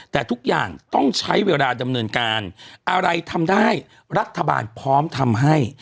แต่ทุกอย่างต้องใช้เวลาดำเนินการอะไรทำได้รัฐบาลพร้อมทำให้